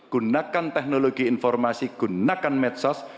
gunakan teknologi informasi gunakan medsos